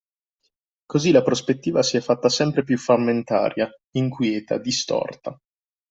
Così la prospettiva si è fatta sempre più frammentaria, inquieta, distorta.